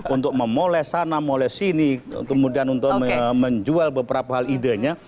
untuk memoles sana molai sini kemudian untuk menjual beberapa hal idenya